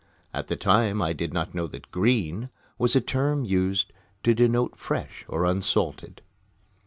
At the time I did not know that "green" was a term used to denote "fresh" or "unsalted."